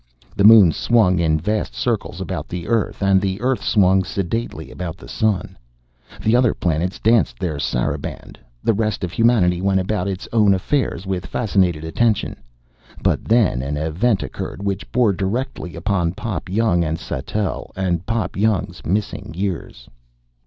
The Moon swung in vast circles about the Earth, and the Earth swung sedately about the Sun. The other planets danced their saraband. The rest of humanity went about its own affairs with fascinated attention. But then an event occurred which bore directly upon Pop Young and Sattell and Pop Young's missing years.